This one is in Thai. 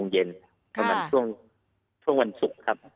เย็นประมาณช่วงวันสุขครับ